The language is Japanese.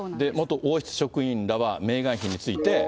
元王室職員らはメーガン妃について。